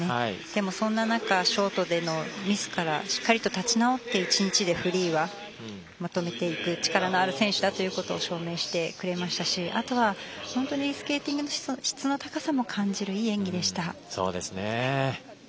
でも、そんな中ショートでのミスからしっかりと立ち直って１日でフリーはまとめていく力のある選手だということを証明してくれましたしあとは本当にスケーティングの質の高さも感じるいい演技でした。